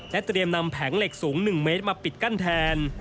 เตรียมนำแผงเหล็กสูง๑เมตรมาปิดกั้นแทน